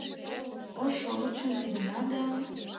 Ош шовычым пидына да